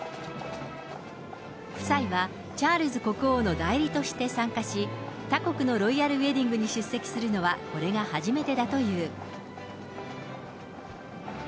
夫妻はチャールズ国王の代理として参加し、他国のロイヤルウエディングに出席するのは、これが初めてだという。